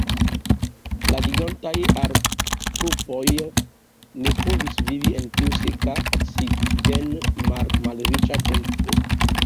La gigantaj artropodoj ne povis vivi en tiu seka, oksigen-malriĉa tempo.